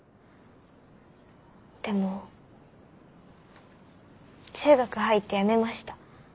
でも中学入ってやめました。